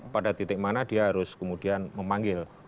pada titik mana dia harus kemudian memanggil